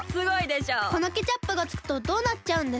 このケチャップがつくとどうなっちゃうんですか？